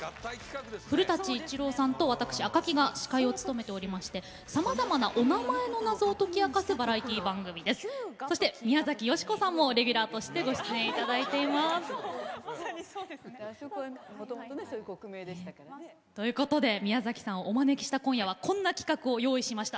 古舘伊知郎さんと私、赤木が司会を務めておりましてさまざまな「おなまえ」の謎を解き明かすバラエティー番組なんですが宮崎美子さんもレギュラーとしてご出演してくださっています。ということで宮崎さんをお招きした今夜はこんな企画を用意しました。